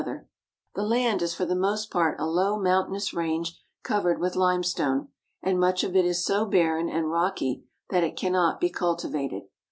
Boys of Jerusalem. ASIATIC TURKEY 353 The land is for the most part a low, mountainous range covered with limestone, and much of it is so barren and rocky that it cannot be cultivated.